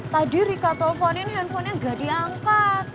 tadi rika telfonin handphone gak diangkat